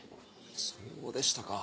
そうでしたか。